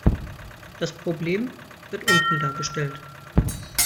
Das Problem wird unten dargestellt.